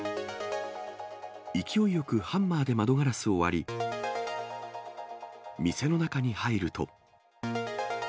勢いよくハンマーで窓ガラスを割り、店の中に入ると。